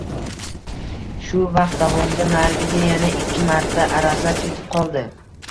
Shu vaqt davomida Nargiza yana ikki marta arazlab ketib qoldi